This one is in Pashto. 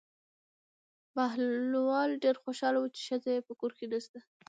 بهلول ډېر خوشحاله و چې ښځه یې په کور کې نشته.